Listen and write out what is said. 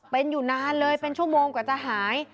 เป็นอยู่นานเลยเป็นชั่วโมงกว่าจะหาย